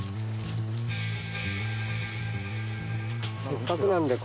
せっかくなんで。